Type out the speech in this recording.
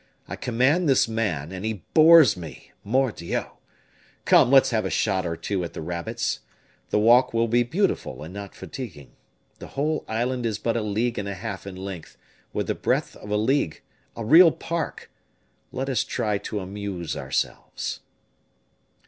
I command this man, and he bores me, mordioux! Come, let us have a shot or two at the rabbits; the walk will be beautiful, and not fatiguing. The whole island is but a league and a half in length, with the breadth of a league; a real park. Let us try to amuse ourselves."